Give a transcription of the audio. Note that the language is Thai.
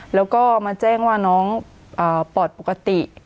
แล้วก็มาแจ้งว่าน้องปอดปกติ